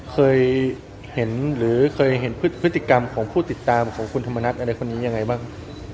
เคยเห็นหรือเคยเห็นพฤติกรรมของผู้ติดตามของคุณธรรมนัฐอะไรคนนี้ยังไงบ้าง